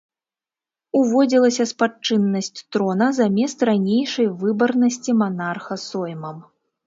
Уводзілася спадчыннасць трона замест ранейшай выбарнасці манарха соймам.